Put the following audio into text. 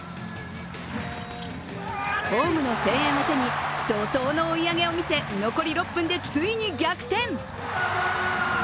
ホームの声援を背に、怒とうの追い上げを見せ、残り６分でついに逆転。